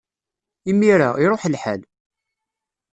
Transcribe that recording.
Imir-a, iṛuḥ lḥal.